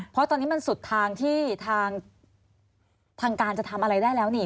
เพราะตอนนี้มันสุดทางที่ทางการจะทำอะไรได้แล้วนี่